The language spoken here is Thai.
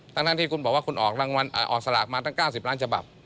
ตั้งที่คุณบอกว่าคุณออกสลากมา๙๐ล้านฉบับ